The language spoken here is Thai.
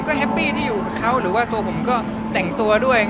ก็แฮปปี้ที่อยู่กับเขาหรือว่าตัวผมก็แต่งตัวด้วย